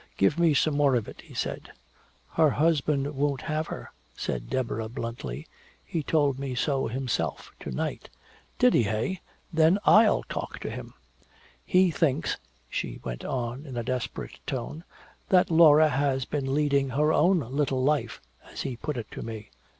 "Give me some more of it," he said. "Her husband won't have her," said Deborah bluntly. "He told me so himself to night." "Did, eh then I'll talk to him!" "He thinks," she went on in a desperate tone, "that Laura has been leading 'her own little life' as he put it to me."